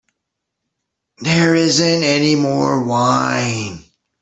There isn't any more wine.